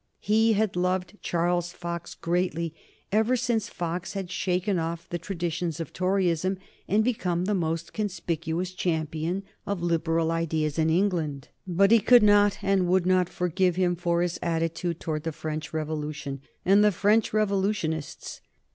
He had loved Charles Fox greatly ever since Fox had shaken off the traditions of Toryism and become the most conspicuous champion of liberal ideas in England. But he could not and would not forgive him for his attitude towards the French Revolution and the French Revolutionists.